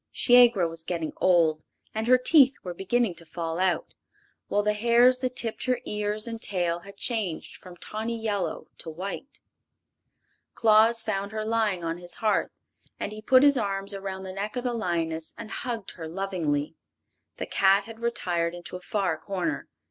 Shiegra was getting old and her teeth were beginning to fall out, while the hairs that tipped her ears and tail had changed from tawny yellow to white. Claus found her lying on his hearth, and he put his arms around the neck of the lioness and hugged her lovingly. The cat had retired into a far corner.